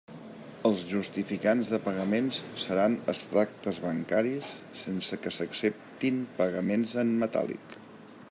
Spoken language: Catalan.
Els justificants de pagaments seran extractes bancaris sense que s'accepten pagaments en metàl·lic.